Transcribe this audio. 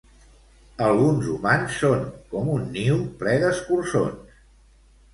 Alguns humans són com un niu ple d'escurçons